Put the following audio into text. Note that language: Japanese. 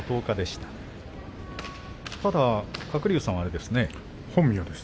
ただ鶴竜さんは本名ですね。